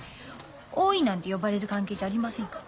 「おい」なんて呼ばれる関係じゃありませんから。